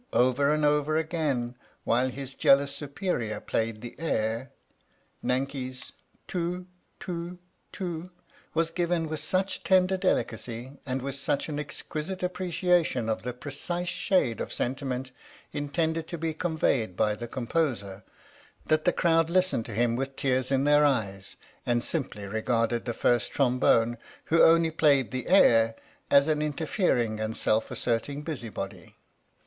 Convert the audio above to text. over and over again while his jealous superior played the air, Nanki's "Too, too, too" was given with such tender delicacy and with such an exquisite appreciation of the precise shade of sentiment in tended to be conveyed by the composer, that the crowd listened to him with tears in their eyes and simply regarded the first trombone, who only played the air, as an interfering and self asserting busy body.